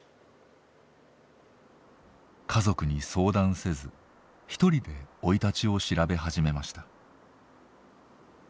家族に相談せず一人で生い立ちを調べ始めました。